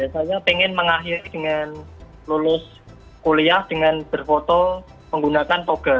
saya pengen mengakhiri lulus kuliah dengan berfoto menggunakan toga